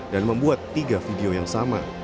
dan membuat tiga video yang sama